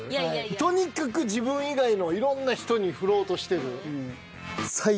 とにかく自分以外のいろんな人に振ろうとしてる。